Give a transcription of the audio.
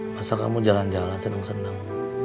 masa kamu jalan jalan seneng seneng